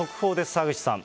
澤口さん。